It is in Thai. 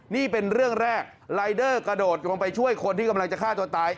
นี่เป็นเรื่องแรกรายเดอร์กระโดดลงไปช่วยคนที่กำลังจะฆ่าตัวตาย